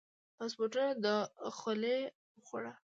پاسپورتونو دخولي وخوړه.